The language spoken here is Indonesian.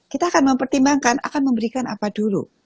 kita akan mempertimbangkan akan memberikan apa dulu